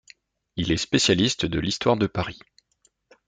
Il est spécialiste de l'histoire de Paris.